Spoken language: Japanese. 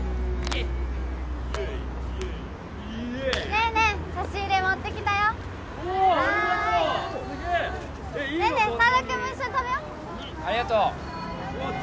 ありがとう。うわ。